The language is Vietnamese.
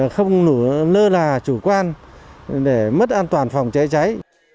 không lơ là chủ quan để mất an toàn phòng cháy cháy